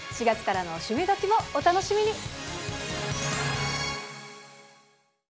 ４月からの「趣味どきっ！」もお楽しみに。